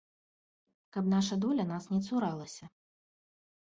Каб наша доля нас не цуралася!